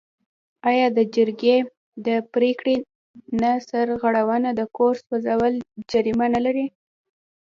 آیا د جرګې د پریکړې نه سرغړونه د کور سوځول جریمه نلري؟